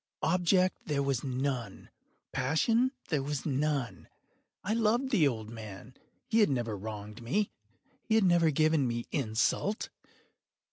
Object there was none. Passion there was none. I loved the old man. He had never wronged me. He had never given me insult.